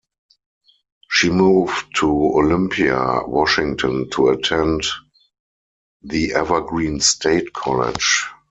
She moved to Olympia, Washington to attend The Evergreen State College.